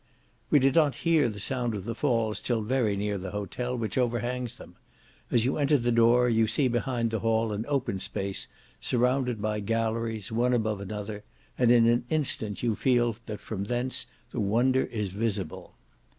We did not hear the sound of the Falls till very near the hotel, which overhangs them; as you enter the door you see behind the hall an open space surrounded by galleries, one above another, and in an instant you feel that from thence the wonder is visible.